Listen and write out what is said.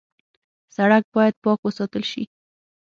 سړک باید پاک وساتل شي.